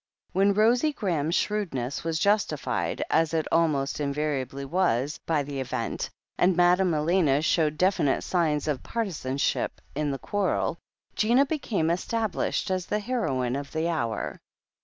When Rosie Graham's shrewdness was justified, as it almost invariably was, by the event, and Madame Elena showed definite signs of partisanship in the quarrel, Gina became established as the heroine of the hour.